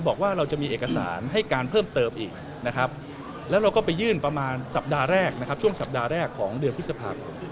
บอกว่าเราจะมีเอกสารให้การเพิ่มเติบอีกและเราก็ไปยื่นประมาณช่วงสัปดาห์แรกของเดือนพฤษภาค